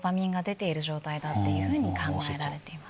状態だっていうふうに考えられています。